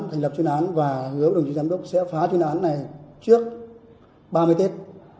thành lập truyền án và hứa với đồng chí giám đốc sẽ phá truyền án này trước ba mươi tết